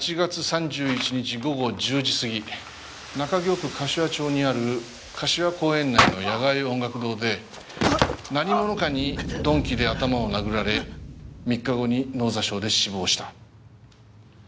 ８月３１日午後１０時過ぎ中京区柏町にある柏公園内の野外音楽堂で何者かに鈍器で頭を殴られ３日後に脳挫傷で死亡した。